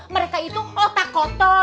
mereka itu otak kotor